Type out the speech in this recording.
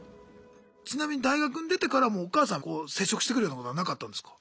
ちなみに大学に出てからもお母さん接触してくるようなことはなかったんですか？